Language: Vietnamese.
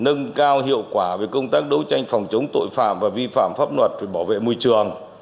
nâng cao hiệu quả về công tác đấu tranh phòng chống tội phạm và vi phạm pháp luật về bảo vệ môi trường